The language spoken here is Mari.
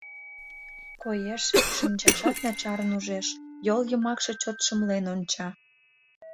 Коеш: шинчажат начарын ужеш — йол йымакше чот шымлен онча.